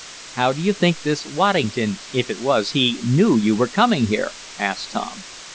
"How do you think this Waddington, if it was he, knew you were coming here?" asked Tom.